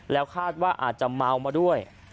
แล้วคาดว่าอาจจะเมามาด้วย